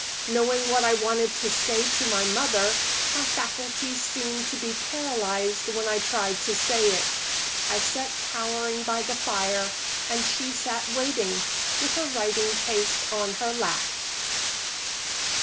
Knowing what I wanted to say to my mother, my faculties seemed to be paralyzed when I tried to say it. I sat cowering by the fire and she sat waiting, with her writing case on her lap.